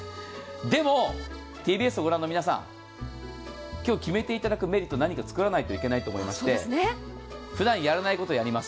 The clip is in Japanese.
でも、ＴＢＳを御覧の皆さん、今日決めていただくメリットを何か作らないとと思いまして、ふだん、やらないことをやります。